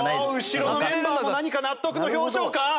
後ろのメンバーも何か納得の表情か？